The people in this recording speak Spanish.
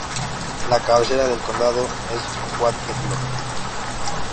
La cabecera del condado es Waterloo.